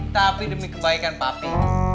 tapi demi kebaikan papi